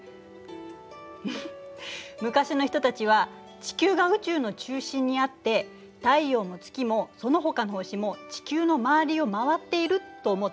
フフッ昔の人たちは地球が宇宙の中心にあって太陽も月もそのほかの星も地球の周りを回っていると思っていたのよ。